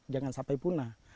jangan sampai punah